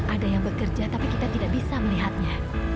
ada yang bekerja tapi kita tidak bisa melihatnya